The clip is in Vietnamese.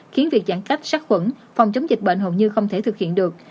khiến việc giãn cách sát khuẩn phòng chống dịch bệnh hầu như không thể thực hiện được